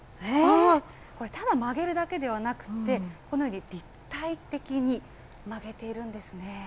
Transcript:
これただ曲げるだけではなくて、このように立体的に曲げているんですね。